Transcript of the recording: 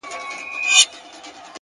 وخت د سستۍ تاوان زیاتوي،